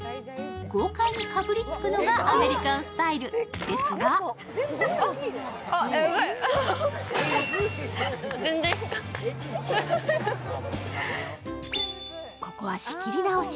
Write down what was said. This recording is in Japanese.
豪快にかぶりつくのがアメリカンスタイルですがここは仕切り直し。